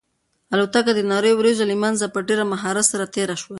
الوتکه د نريو وريځو له منځه په ډېر مهارت سره تېره شوه.